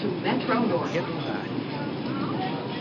redundar